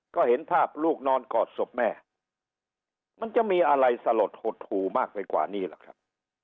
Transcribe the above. ก็เห็นภาพลูกนอนกอดศพแม่มันจะมีอะไรสลดหดหูมากไปกว่านี้ล่ะครับ